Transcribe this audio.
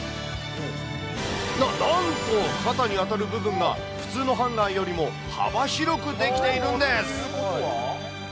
な、なんと、肩に当たる部分が、普通のハンガーよりも幅広くできているんです。